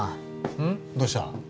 うんどうした？